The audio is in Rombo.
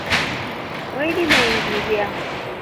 Weldima ingairia.